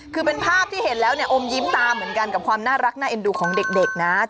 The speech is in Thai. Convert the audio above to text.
คือเป็นภาพที่เห็นแล้วเนี่ยอมยิ้มตามเหมือนกันกับความน่ารักน่าเอ็นดูของเด็กนะ